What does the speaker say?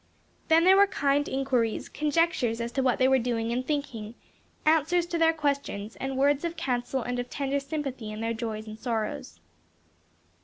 Then there were kind inquiries, conjectures as to what they were doing and thinking; answers to their questions, and words of counsel and of tender sympathy in their joys and sorrows.